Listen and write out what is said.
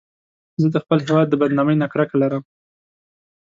زه د خپل هېواد د بدنامۍ نه کرکه لرم